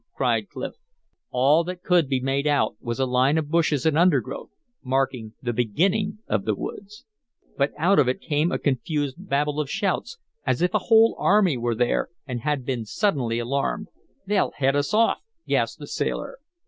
cried Clif. All that could be made out was a line of bushes and undergrowth, marking the beginning of the woods. But out of it came a confused babel of shouts, as if a whole army were there and had been suddenly alarmed. "They'll head us off!" gasped the sailor.